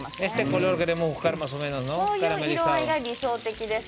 こういう色合いが理想的です。